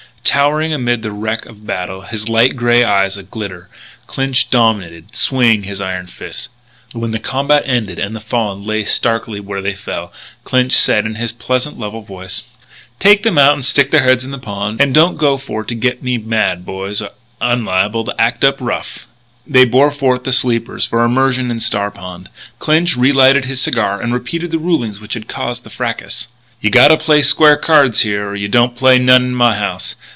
Towering amid the wreck of battle, his light grey eyes a glitter, Clinch dominated, swinging his iron fists. When the combat ended and the fallen lay starkly where they fell, Clinch said in his pleasant, level voice: "Take them out and stick their heads in the pond. And don't go for to get me mad, boys, or I'm liable to act up rough." They bore forth the sleepers for immersion in Star Pond. Clinch relighted his cigar and repeated the rulings which had caused the fracas: "You gotta play square cards here or you don't play none in my house.